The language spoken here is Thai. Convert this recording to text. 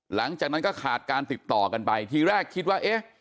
หลังจากนั้นก็ขาดการติดต่อกันไปทีแรกคิดว่าเอ๊ะ